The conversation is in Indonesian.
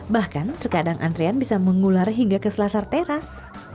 bahkan terkadang antrean bisa mengular hingga ke selasar teras